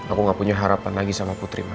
aku gak punya harapan lagi sama putri